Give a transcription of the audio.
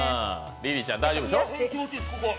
リリーちゃん、大丈夫でしょう？